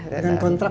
dengan kontrak ya